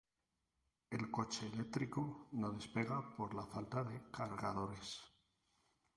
El coche eléctrico no despega por la falta de cargadores